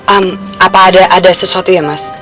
apa ada sesuatu ya mas